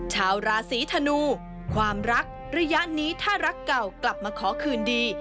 ชาวราศีธนูความรักระยะนี้ถ้ารักเก่ากลับมาขอคืนดี